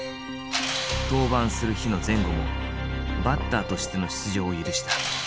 登板する日の前後もバッターとしての出場を許した。